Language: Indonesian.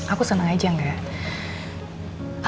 aku seneng aja angga